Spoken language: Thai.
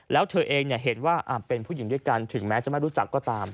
แล้วเธอเองเห็นว่าเป็นผู้หญิงด้วยกันถึงแม้จะไม่รู้จักก็ตาม